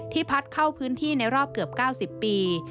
พัดเข้าพื้นที่ในรอบเกือบ๙๐ปี